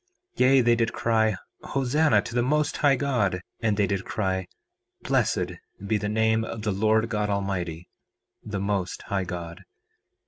4:32 Yea, they did cry: Hosanna to the Most High God. And they did cry: Blessed be the name of the Lord God Almighty, the Most High God.